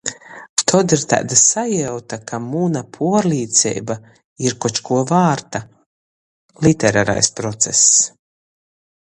Tod ir taida sajiuta, ka muna puorlīceiba ir koč kuo vārta. Literarais process.